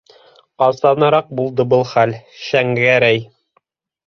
Ҡасаныраҡ булды был хәл, Шәңгәрәй?